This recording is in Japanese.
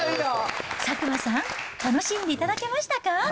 佐久間さん、楽しんでいただけましたか。